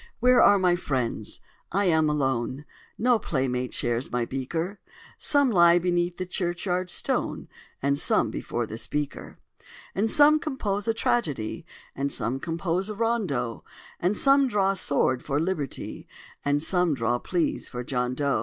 "Where are my friends? I am alone: No playmate shares my beaker: Some lie beneath the churchyard stone And some—before the Speaker: And some compose a tragedy, And some compose a rondo: And some draw sword for Liberty, And some draw pleas for John Doe.